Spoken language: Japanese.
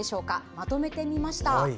まとめてみました。